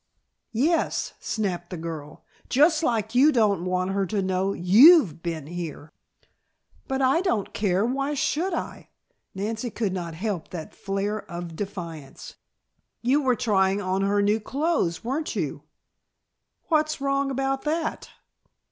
"Yes," snapped the girl, "just like you don't want her to know you've been here." "But I don't care; why should I?" Nancy could not help that flare of defiance. "You were trying on her new clothes, weren't you?" "What's wrong about that?"